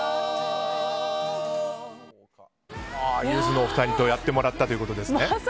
ゆずのお二人とやってもらったということですね。